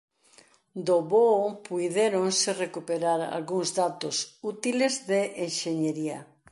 Do voo puidéronse recuperar algúns datos útiles de enxeñería.